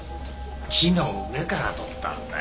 木の上から撮ったんだよ